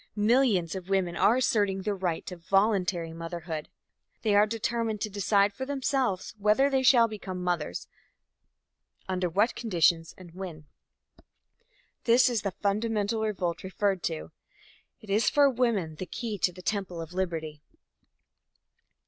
Millions of women are asserting their right to voluntary motherhood. They are determined to decide for themselves whether they shall become mothers, under what conditions and when. This is the fundamental revolt referred to. It is for woman the key to the temple of liberty.